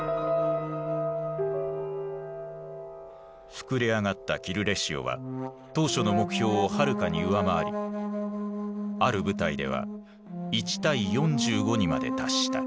膨れ上がったキルレシオは当初の目標をはるかに上回りある部隊では１：４５にまで達した。